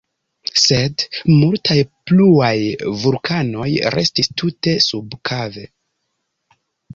Sed multaj pluaj vulkanoj restis tute subakve.